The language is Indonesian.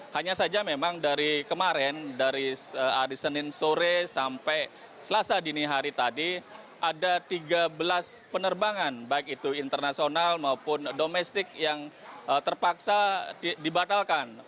hanya saja memang dari kemarin dari hari senin sore sampai selasa dini hari tadi ada tiga belas penerbangan baik itu internasional maupun domestik yang terpaksa dibatalkan